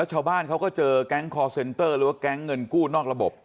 ชาวบ้านเขาก็เจอแก๊งคอร์เซ็นเตอร์หรือว่าแก๊งเงินกู้นอกระบบ